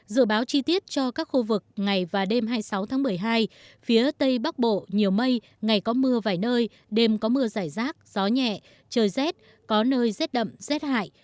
dự báo chi tiết cho các khu vực ngày và đêm hai mươi sáu tháng một mươi hai phía tây bắc bộ nhiều mây ngày có mưa vài nơi đêm có mưa rải rác gió nhẹ trời rét có nơi rét đậm rét hại